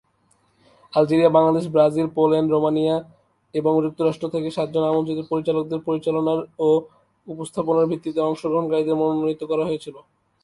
Algeria, Bangladesh, Brazil, Poland, Romania এবং যুক্তরাষ্ট্র থেকে সাতজন আমন্ত্রিত পরিচালকদের পরিচালনার ও উপস্থাপনার ভিত্তিতে অংশগ্রহণকারীদের মনোনীত করা হয়েছিল।